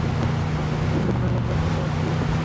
তোকে দেখে বেশ নার্ভাস লাগছে আরকি।